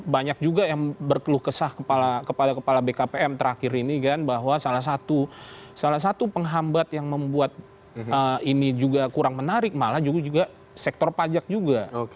banyak juga yang berkeluh kesah kepala kepala bkpm terakhir ini kan bahwa salah satu penghambat yang membuat ini juga kurang menarik malah juga sektor pajak juga